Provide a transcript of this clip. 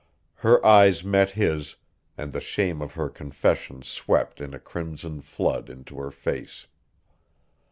Her eyes met his, and the shame of her confession swept in a crimson flood into her face.